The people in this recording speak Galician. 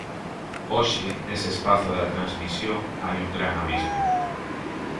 Hoxe, nese espazo da transmisión, hai un gran abismo.